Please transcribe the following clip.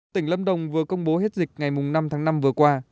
tỉnh lâm đồng vừa công bố hết dịch ngày năm tháng năm vừa qua